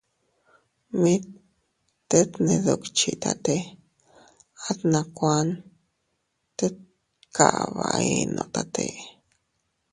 Mit tet ne dukchitate, at nakuan tet kaba eenotate.